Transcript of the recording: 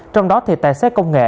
trong đó thì tài xét công nghệ